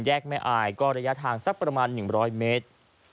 แยกแม่อายระยะทางประมาณ๑๐๐เมตร